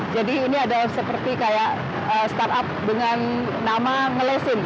jadi ini adalah seperti kayak startup dengan nama ngelesin